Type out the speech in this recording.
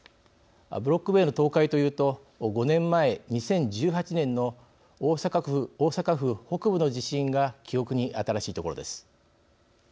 ブロック塀の倒壊というと５年前、２０１８年の大阪府北部の地震が記憶に新しいところです。